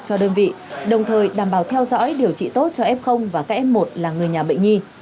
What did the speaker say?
cho đơn vị đồng thời đảm bảo theo dõi điều trị tốt cho f và các f một là người nhà bệnh nhi